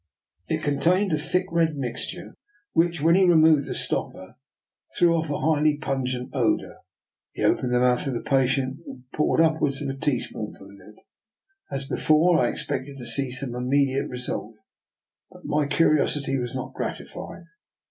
It contained a thick red mixture, which, when he removed the stop per, threw off a highly pungent odour. He opened the mouth of the patient and poured upwards of a teaspoonful into it. As before, I expected to see some immediate result, but my curiosity was not gratified.